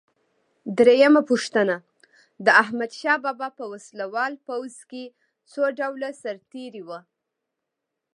درېمه پوښتنه: د احمدشاه بابا په وسله وال پوځ کې څو ډوله سرتیري وو؟